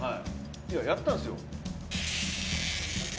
いややったんすよ。